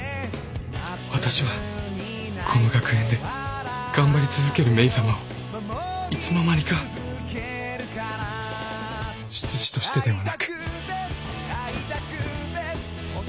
わたしはこの学園で頑張り続けるメイさまをいつの間にか執事としてではなく。ありがとう。